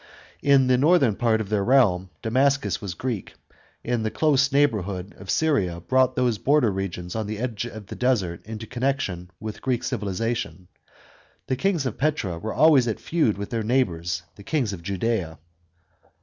In the northern part of their realm, Damascus was Greek, and the close neighbourhood of Syria brought those border regions on the edge of the desert into connection with Greek civilisation, The kings of Petra were always at feud with their neighbours the kings of Judea.